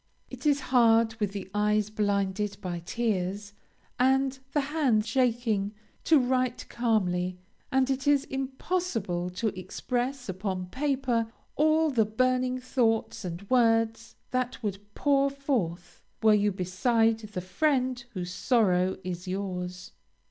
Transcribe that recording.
It is hard with the eyes blinded by tears, and the hand shaking, to write calmly; and it is impossible to express upon paper all the burning thoughts and words that would pour forth, were you beside the friend whose sorrow is yours.